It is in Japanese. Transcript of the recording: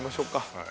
はい。